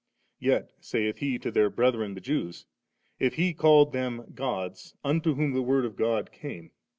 yet, saith He to their brethren the Jews, * If He called them gods, unto whom the Word of God came*.'